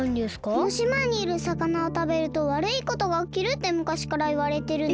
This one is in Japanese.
このしまにいるさかなをたべるとわるいことがおきるってむかしからいわれてるの。